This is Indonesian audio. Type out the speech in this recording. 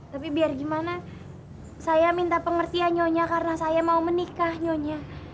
tapi biar gimana saya minta pengertian nyonya karena saya mau menikah nyonya